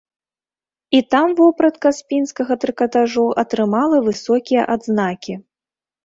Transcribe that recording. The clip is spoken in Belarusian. І там вопратка з пінскага трыкатажу атрымала высокія адзнакі.